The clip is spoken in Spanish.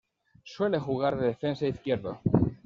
Suele jugar de defensa izquierdo.